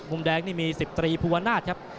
มุมแดงนี่มี๑๓ภูวานาศครับ